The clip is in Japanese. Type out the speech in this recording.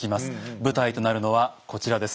舞台となるのはこちらです。